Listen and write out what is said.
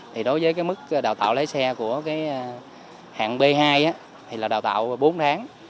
thì đối với cái mức đào tạo lái xe của cái hạng b hai á thì là đào tạo bốn tháng